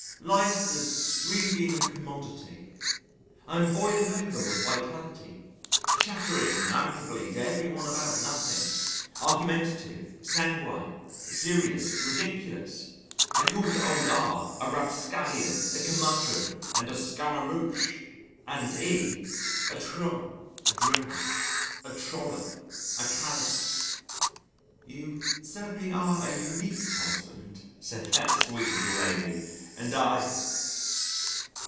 Life has really been a commodity. I am boiling over with vitality, chattering amiably to everyone about nothing argumentative, sanguine, serious, ridiculous. I called old R a Rapscallion, a Curmudgeon, and a Scaramouche, and E a trull, a drab, a trollop, a callet. "You certainly are a unique husband," said that sweet little lady, and I....